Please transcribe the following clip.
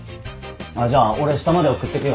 あっじゃあ俺下まで送ってくよ。